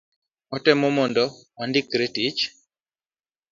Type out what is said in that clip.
watemo mondo wandikre tich.